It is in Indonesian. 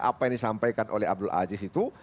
apa yang disampaikan oleh abdul aziz itu